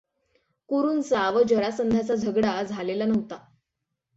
कुरूंचा व जरासंधाचा झगडा झालेला नव्हता.